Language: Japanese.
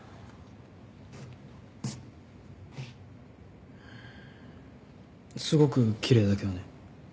うんすごくきれいだけどね。